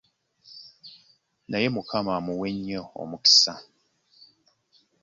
Naye Mukama amuwe nnyo omukisa.